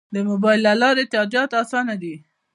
د موبایل له لارې تادیات اسانه دي؟